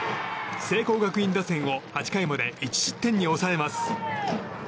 聖光学院打線を８回まで１失点に抑えます。